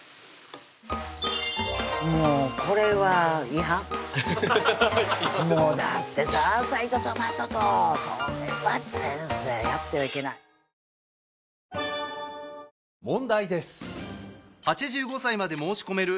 もうこれは違反もうだってザーサイとトマトとそれは先生やってはいけない皆さん